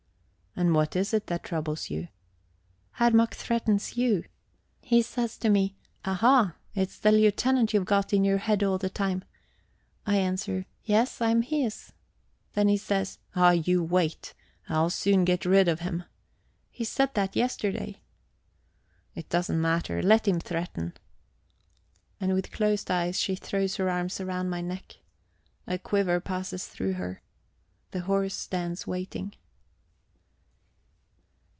"And what is it that troubles you?" "Herr Mack threatens you. He says to me: 'Aha, it's that lieutenant you've got in your head all the time!' I answer: 'Yes, I am his.' Then he says: 'Ah, you wait. I'll soon get rid of him.' He said that yesterday." "It doesn't matter; let him threaten..." And with closed eyes she throws her arms about my neck. A quiver passes through her. The horse stands waiting.